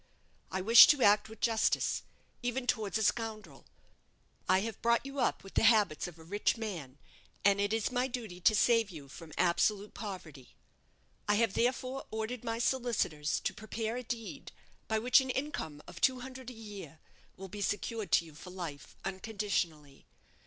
I wish to act with justice, even towards a scoundrel. I have brought you up with the habits of a rich man, and it is my duty to save you from absolute poverty. I have, therefore, ordered my solicitors to prepare a deed by which an income of two hundred a year will be secured to you for life, unconditionally.